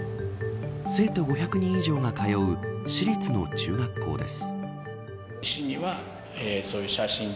生徒５００人以上が通う市立の中学校です。